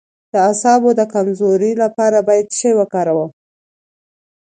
د اعصابو د کمزوری لپاره باید څه شی وکاروم؟